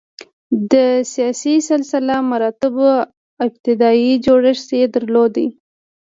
د سیاسي سلسله مراتبو ابتدايي جوړښت یې درلود.